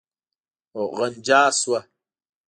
غنجا شوه.